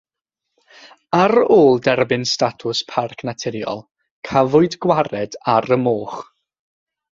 Ar ôl derbyn statws Parc Naturiol, cafwyd gwared ar y moch.